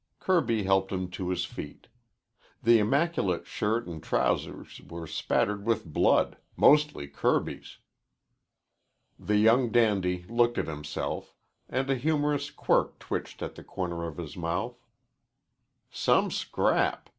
Kirby helped him to his feet. The immaculate shirt and trousers were spattered with blood, mostly Kirby's. The young dandy looked at himself, and a humorous quirk twitched at the corner of his mouth. "Some scrap.